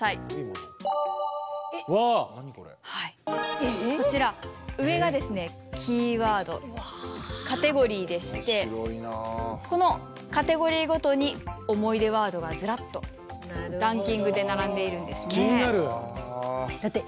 こちら上がですねキーワードカテゴリーでしてこのカテゴリーごとに思い出ワードがずらっとランキングで並んでいるんですね。